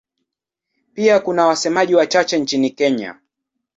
Pia kuna wasemaji wachache nchini Kenya.